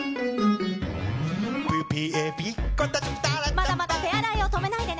まだまだ手洗いを止めないでね。